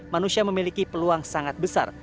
manusia memiliki peluang sangat besar